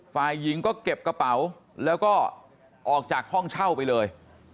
ฝ่ายหญิงก็เก็บกระเป๋าแล้วก็ออกจากห้องเช่าไปเลย